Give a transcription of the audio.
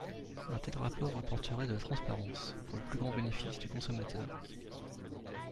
Un tel rapport apporterait de la transparence, pour le plus grand bénéfice du consommateur.